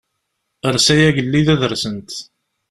Ers ay agellid ad rsent.